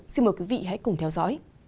xin mời quý vị hãy cùng theo dõi